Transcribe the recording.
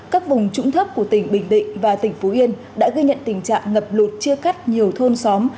các vùng trũng thấp của tỉnh bình định và tỉnh phú yên đã ghi nhận tình trạng ngập lụt chia cắt nhiều thôn xóm